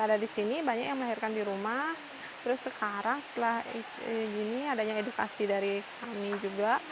ada di sini banyak yang melahirkan di rumah terus sekarang setelah gini adanya edukasi dari kami juga